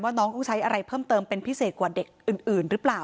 น้องต้องใช้อะไรเพิ่มเติมเป็นพิเศษกว่าเด็กอื่นหรือเปล่า